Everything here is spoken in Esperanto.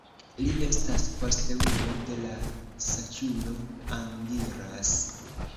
Li estas posteulo de la saĝulo Angiras.